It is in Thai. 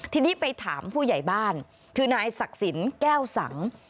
ทีนี้ไปถามผู้ใหญ่บ้านคือนายศักดิ์สินแก้วสัง